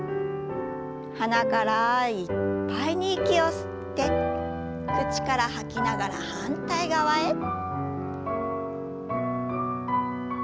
鼻からいっぱいに息を吸って口から吐きながら反対側へ。